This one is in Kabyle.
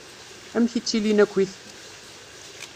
Amek i ttilin akkit?